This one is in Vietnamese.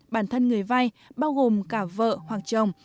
bản thân người vay bao gồm cả vợ hoặc chồng